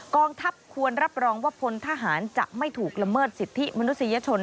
กองทัพควรรับรองว่าพลทหารจะไม่ถูกละเมิดสิทธิมนุษยชน